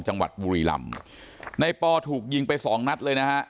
จังหวัดบุรีลำในปอถูกยิงไปสองนัดเลยนะฮะ